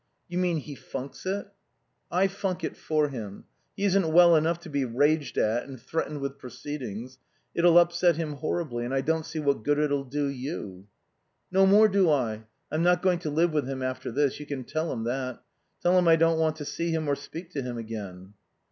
"You mean he funks it?" "I funk it for him. He isn't well enough to be raged at and threatened with proceedings. It'll upset him horribly and I don't see what good it'll do you." "No more do I. I'm not going to live with him after this. You can tell him that. Tell him I don't want to see him or speak to him again."